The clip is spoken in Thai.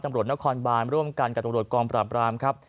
ตำรวจนครบานร่วมกันกับตำรวจกองปราบรามครับ